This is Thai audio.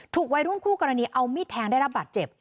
วัยรุ่นคู่กรณีเอามีดแทงได้รับบาดเจ็บ